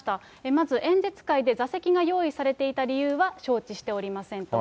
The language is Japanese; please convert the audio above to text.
まず演説会で座席が用意されていた理由は、承知しておりませんと。